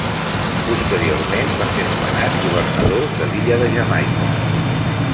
Posteriorment va ser nomenat governador de l'illa de Jamaica.